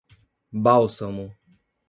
Bálsamo